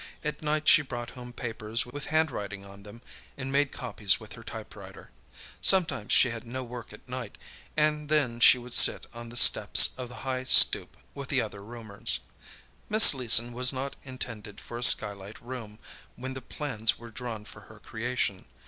At night she brought home papers with handwriting on them and made copies with her typewriter. Sometimes she had no work at night, and then she would sit on the steps of the high stoop with the other roomers. Miss Leeson was not intended for a sky light room when the plans were drawn for her creation.